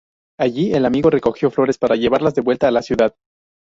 Allí, el amigo recogió flores para llevarlas de vuelta a la ciudad.